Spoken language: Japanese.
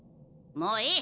もういい！